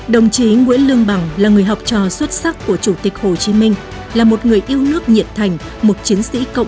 đồng chí nguyễn lương bằng là người học trò xuất sắc của chủ tịch hồ chí minh là một người yêu nước nhiệt thành một chiến sĩ cộng sản